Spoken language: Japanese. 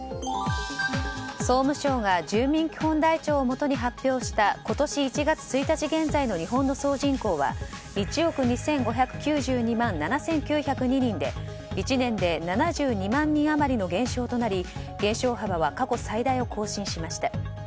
総務省が住民基本台帳をもとに発表した今年１月１日現在の日本の総人口は１億２５９２万７９０２人で１年で７２万人余りの減少となり減少幅は過去最大を更新しました。